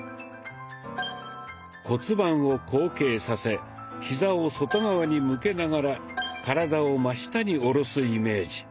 骨盤を後傾させヒザを外側に向けながら体を真下に下ろすイメージ。